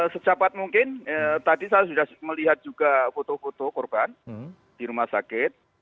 sejapat mungkin tadi saya sudah melihat juga foto foto korban di rumah sakit